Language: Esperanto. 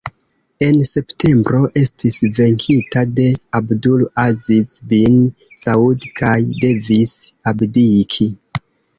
En septembro estis venkita de Abdul-Aziz bin Saud kaj devis abdiki.